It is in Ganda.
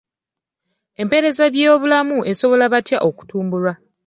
Empereza y'ebyobulamu esobola etya okutumbulwa?